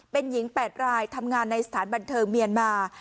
เป็นหญิง๘รายทำงานในสถานบันเทิงเมียนมา